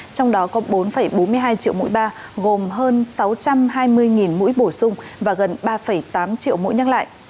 trong đó có bốn bốn mươi hai triệu mũi ba gồm hơn sáu trăm hai mươi mũi bổ sung và gần ba tám triệu mũi nhắc lại